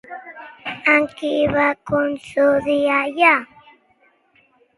Amb qui van coincidir allà?